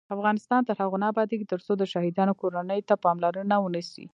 افغانستان تر هغو نه ابادیږي، ترڅو د شهیدانو کورنیو ته پاملرنه ونشي.